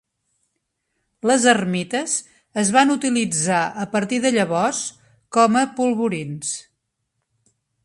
Les ermites es van utilitzar a partir de llavors com a polvorins.